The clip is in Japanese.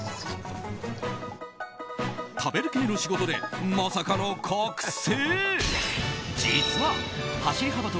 食べる系の仕事でまさかの覚醒。